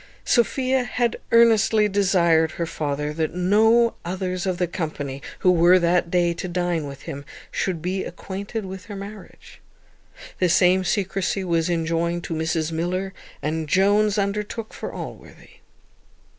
Sophia had earnestly desired her father that no others of the company, who were that day to dine with him, should be acquainted with her marriage. The same secrecy was enjoined to Mrs Miller, and Jones undertook for Allworthy.